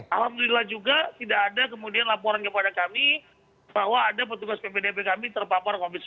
alhamdulillah juga tidak ada kemudian laporan kepada kami bahwa ada petugas ppdb kami terpapar covid sembilan belas